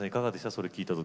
それ聞いた時。